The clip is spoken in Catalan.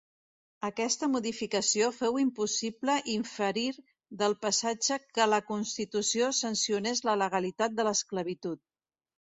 Aquesta modificació féu impossible inferir del passatge que la Constitució sancionés la legalitat de l'esclavitud.